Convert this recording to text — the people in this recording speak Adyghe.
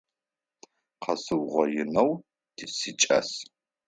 Къэсыугъоинэу сикӏас.